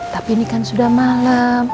tapi ini kan sudah malam